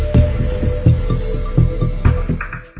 โปรดติดตามตอนต่อไป